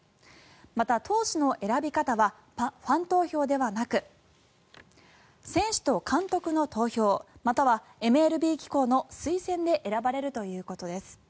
また、投手の選び方はファン投票ではなく選手と監督の投票またはＭＬＢ機構の推薦で選ばれるということです。